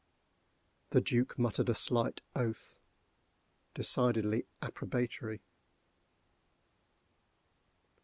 The Duc muttered a slight oath, decidedly approbatory.